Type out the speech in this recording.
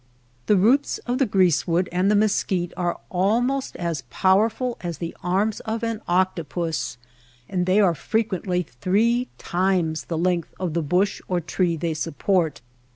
The roots of the greasewood and the mesquite are almost as powerful as the arms of an octopus, and they are frequently three times the length of the bush or tree they support.